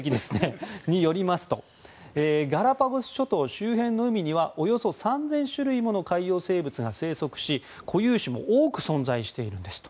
その方によりますとガラパゴス諸島周辺の海にはおよそ３０００種類もの海洋生物が生息し固有種も多く存在しているんですと。